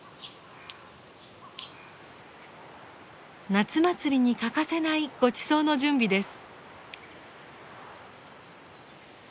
夏祭りに欠かせないごちそうの準備です。